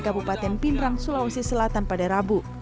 kabupaten pindrang sulawesi selatan pada rabu